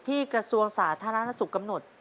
กระทรวงสาธารณสุขกำหนด